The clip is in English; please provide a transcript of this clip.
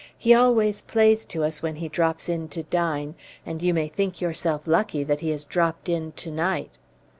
He always plays to us when he drops in to dine, and you may think yourself lucky that he has dropped in to night."